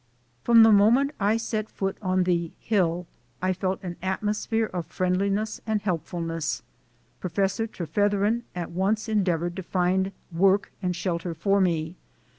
From the moment I set foot on the "Hill" I felt an atmosphere of friendliness and helpfulness. Professor Trefetheren at once endeavored to find work and shelter for me.